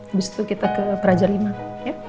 abis itu kita ke raja lima ya